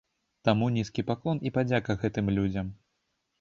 Таму нізкі паклон і падзяка гэтым людзям.